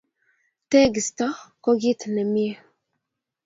Tegisto ko kit nemye.